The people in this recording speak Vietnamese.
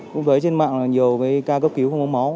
cũng với trên mạng là nhiều cái ca cấp cứu không có máu